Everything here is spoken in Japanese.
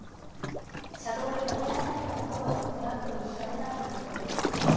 車道に投げ出されたところをトラックにひかれたということです。